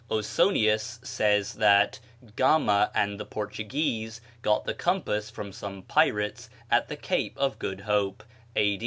Osonius says that Gama and the Portuguese got the compass from some pirates at the Cape of Good Hope, A.